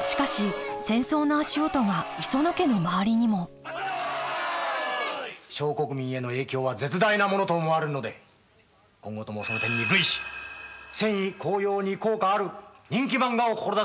しかし戦争の足音が磯野家の周りにも小国民への影響は絶大なものと思われるので今後ともその点に類し戦意高揚に効果ある人気漫画を志すようここに注意しておく！